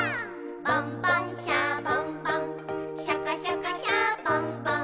「ボンボン・シャボン・ボンシャカシャカ・シャボン・ボン」